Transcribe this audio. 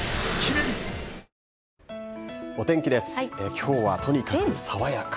今日はとにかく爽やか。